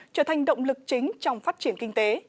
trở thành động lực chính trong phát triển kinh tế